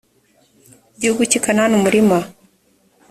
gihugu cy i kanani umurima